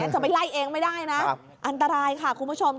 จะไปไล่เองไม่ได้นะอันตรายค่ะคุณผู้ชม